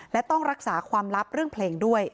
และต้องรักษาความลับเรื่องเพลงด้วย